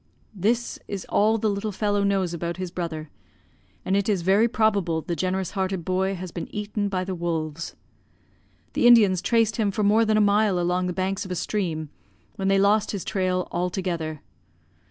"This is all the little fellow knows about his brother; and it is very probable the generous hearted boy has been eaten by the wolves. The Indians traced him for more than a mile along the banks of a stream, when they lost his trail altogether.